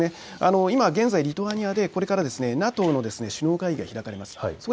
現在、リトアニアでこれからＮＡＴＯの首脳会議が開かれます。